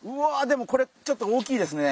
でもこれちょっと大きいですね